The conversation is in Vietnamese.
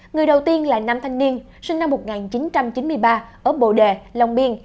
người đầu tiên là nam thanh niên sinh năm một nghìn chín trăm chín mươi ba ở bồ đề long biên